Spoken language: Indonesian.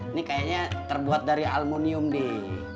ini kayaknya terbuat dari aluminium b